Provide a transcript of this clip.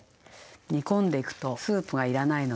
煮込んでいくとスープが要らないので。